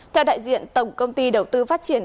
theo đại diện tổng công ty đầu tư phát triển